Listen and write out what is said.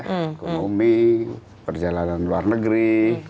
kulumi perjalanan luar negeri